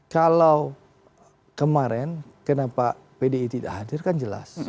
kalau kemarin kenapa pdi tidak hadir kan jelas